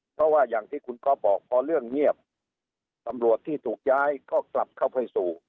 เพราะว่าอย่างที่คุณก๊อฟบอกพอเรื่องเงียบตำรวจที่ถูกย้ายก็กลับเข้าไปสู่